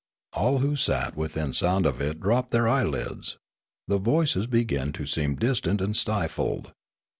All who sat within sound of it dropped their eyelids ; the voices began to seem distant and stifled.